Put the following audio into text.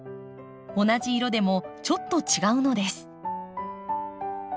同じ色でもちょっと違うのです。